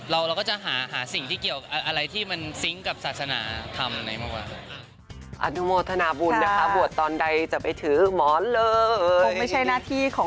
เราก็จะหาสิ่งที่เกี่ยวอะไรที่มันซิ้งกับศาสนาทำอะไรมากกว่า